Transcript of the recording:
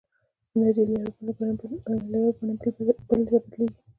انرژي له یوې بڼې بلې ته بدلېږي.